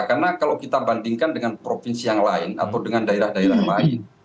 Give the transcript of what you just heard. karena kalau kita bandingkan dengan provinsi yang lain atau dengan daerah daerah lain